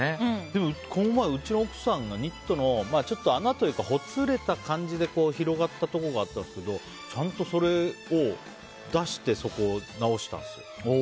でも、この前うちの奥さんがニットの穴というかほつれた感じで広がったところがあったんですがちゃんと、それを出してそこを直したんですよ。